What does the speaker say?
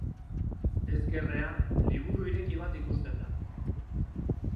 Ezkerrean liburu ireki bat ikusten da.